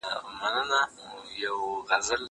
زه له سهاره مکتب ته ځم؟!